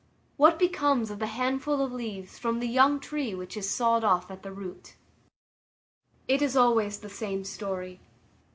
What becomes of the handful of leaves from the young tree which is sawed off at the root? It is always the same story.